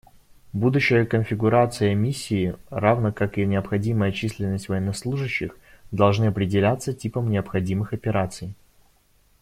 Будущая конфигурация Миссии, равно как и необходимая численность военнослужащих, должны определяться типом необходимых операций.